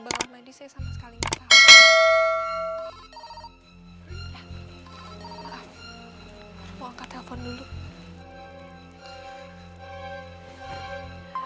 bang ramadi saya sama sekali enggak tahu ya maaf mau angkat telepon dulu